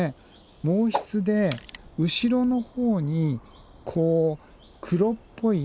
毛筆で後ろのほうにこう黒っぽい。